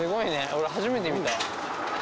俺初めて見た。